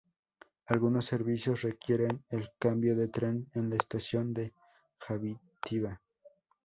Algunos servicios requieren el cambio de tren en la estación de Játiva.